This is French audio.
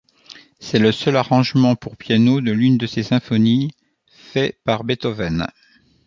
C'est le seul arrangement pour piano de l’une de ses symphonies fait par Beethoven.